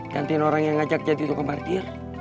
gantiin orang yang ngajak jadi tukang parkir